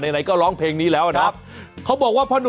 ในไหนก็ร้องเพลงนี้แล้วนะครับ